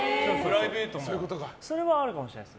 それはあるかもしれないです。